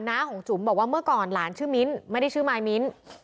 ้าของจุ๋มบอกว่าเมื่อก่อนหลานชื่อมิ้นไม่ได้ชื่อมายมิ้น